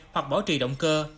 hoặc bỏ trì động cơ